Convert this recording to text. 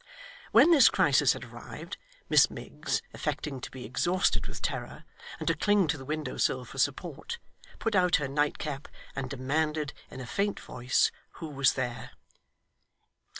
When this crisis had arrived, Miss Miggs, affecting to be exhausted with terror, and to cling to the window sill for support, put out her nightcap, and demanded in a faint voice who was there.